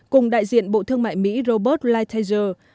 cùng đại diện bộ thương mại mỹ robert lighthizer